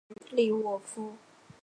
生于利沃夫。